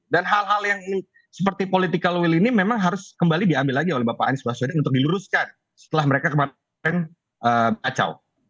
dan hal hal yang seperti political will ini memang harus kembali diambil lagi oleh bapak anies baswedan untuk diluruskan setelah mereka kemarin baca